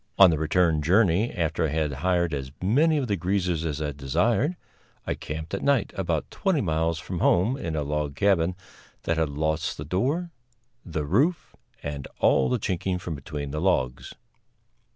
On the return journey, after I had hired as many of the greasers as I desired, I camped at night about twenty miles from home, in a log cabin that had lost the door, the roof and all the chinking from between the logs.